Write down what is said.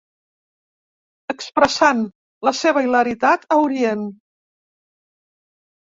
Expressant la seva hilaritat a Orient.